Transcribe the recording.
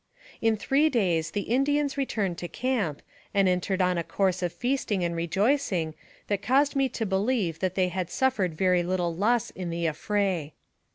In three days the Indians returned to camp, and entered on a course of feasting and rejoicing, that caused me to believe that they had suffered very little loss in the affray.